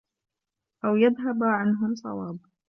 أَوْ يَذْهَبُ عَنْهُمْ صَوَابٌ